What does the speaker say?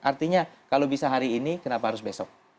artinya kalau bisa hari ini kenapa harus besok